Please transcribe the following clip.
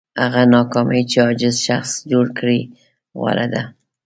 هغه ناکامي چې عاجز شخص جوړ کړي غوره ده.